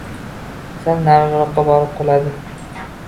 Sal nariroqqa borib quladi.